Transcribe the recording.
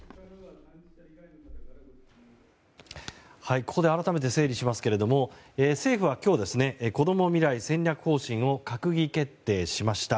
ここで改めて整理しますけども政府は今日こども未来戦略方針を閣議決定しました。